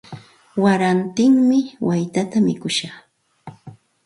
Warantimi waytata mikushaq.